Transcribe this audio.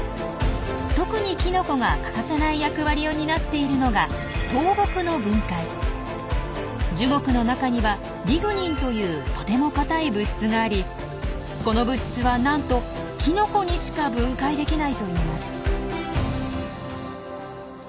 特にキノコが欠かせない役割を担っているのが樹木の中にはリグニンというとても硬い物質がありこの物質はなんとキノコにしか分解できないといいます。